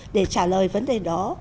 để trả lời vấn đề đó